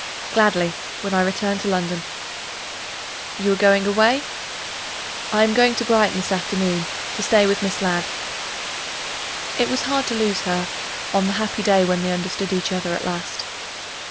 "Gladly when I return to London." "You are going away?" "I am going to Brighton this afternoon, to stay with Miss Ladd." It was hard to lose her, on the happy day when they understood each other at last.